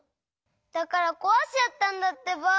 だからこわしちゃったんだってば。